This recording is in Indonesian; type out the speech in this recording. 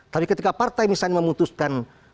tapi ketika partai misalnya memutuskan